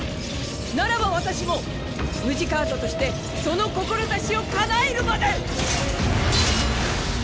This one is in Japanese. ならば私もムジカートとしてその志をかなえるまで！